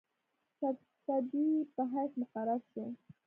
سرطبیب په حیث مقرر شو.